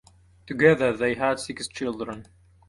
Together they had six children.